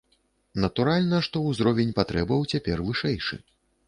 Натуральна, што ўзровень патрэбаў цяпер вышэйшы.